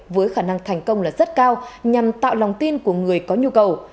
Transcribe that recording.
với khả năng thành công là rất cao nhằm tạo lòng tin của người có nhu cầu